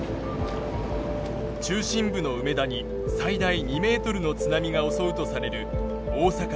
中心部の梅田に最大２ｍの津波が襲うとされる大阪市。